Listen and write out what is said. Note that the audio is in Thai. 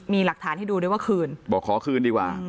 มีหลักฐานให้ดูด้วยว่าคืนบอกขอคืนดีกว่า